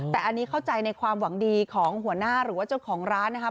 แต่อันนี้เข้าใจในความหวังดีของหัวหน้าหรือว่าเจ้าของร้านนะครับ